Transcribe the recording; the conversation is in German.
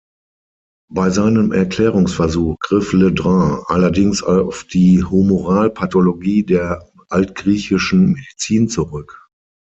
Bei seinem Erklärungsversuch griff Le Dran allerdings auf die Humoralpathologie der altgriechischen Medizin zurück.